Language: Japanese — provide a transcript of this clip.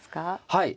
はい。